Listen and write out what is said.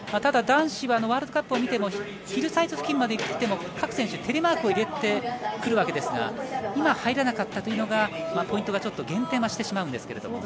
ただ男子はワールドカップを見てもヒルサイズ付近まで行っても各選手テレマークを入れて、くるわけですが、今入らなかったというのが、ポイントが減点してしまうんですけれど。